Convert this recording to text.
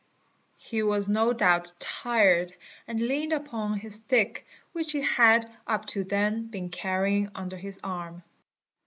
He was no doubt tired and leaned upon his stick which he had up to then been carrying under hisarm.